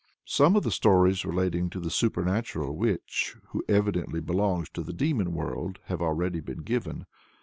Some of the stories relating to the supernatural Witch, who evidently belongs to the demon world, have already been given.